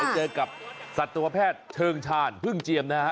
เจอกับสัตวแพทย์เชิงชาญพึ่งเจียมนะฮะ